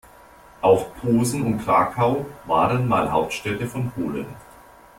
Auch Posen und Krakau waren mal Hauptstädte von Polen.